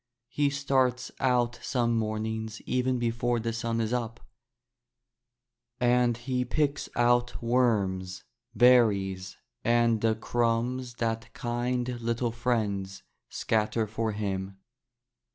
He starts out some mornings even before the sun is up, and he picks out worms, berries, and the crumbs that kind little friends scatter for him.